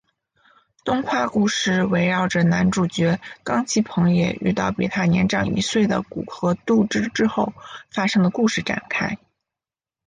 动画故事围绕着男主角冈崎朋也遇到比他年长一岁的古河渚之后发生的故事展开。